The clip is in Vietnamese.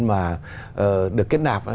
mà được kết nạp